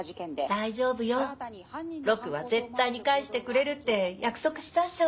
大丈夫よロクは絶対に返してくれるって約束したっしょ。